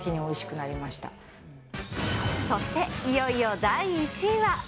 そして、いよいよ第１位は。